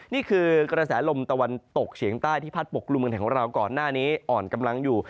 นี่คือกระแสลมตะวันตกเฉียงใต้ที่พัดปกกลุ่มเมืองไทยของเราก่อนหน้านี้อ่อนกำลังอยู่